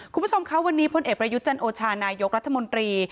คุณผู้ชมคะวันนี้พลเอกประยุทธ์จันโอชานายกรัฐมนตรี